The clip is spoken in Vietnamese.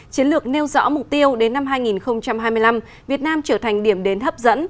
chiến lược nêu rõ mục tiêu đến năm hai nghìn hai mươi năm việt nam trở thành điểm đến hấp dẫn